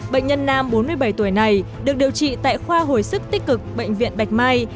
bệnh nhân nam bốn mươi bảy tuổi này được điều trị tại khoa hồi sức tích cực bệnh viện bạch mai